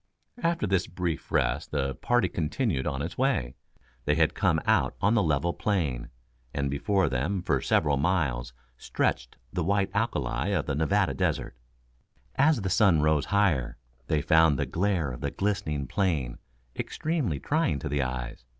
After this brief rest the party continued on its way. They had come out on the level plain, and before them for several miles stretched the white alkali of the Nevada Desert. As the sun rose higher, they found the glare of the glistening plain extremely trying to the eyes.